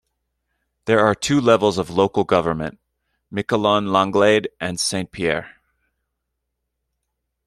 There are two levels of local government, Miquelon-Langlade and Saint-Pierre.